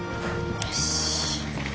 よし。